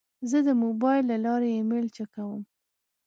زه د موبایل له لارې ایمیل چک کوم.